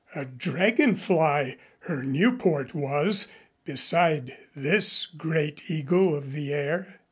A dragon fly her Nieuport was beside this great eagle of the air.